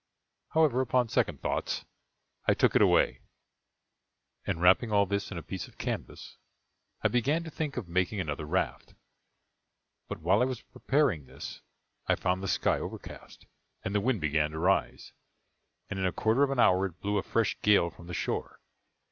However, upon second thoughts I took it away; and, wrapping all this in a piece of canvas, I began to think of making another raft; but while I was preparing this, I found the sky overcast, and the wind began to rise, and in a quarter of an hour it blew a fresh gale from the shore.